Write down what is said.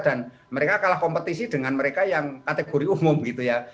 dan mereka kalah kompetisi dengan mereka yang kategori umum gitu ya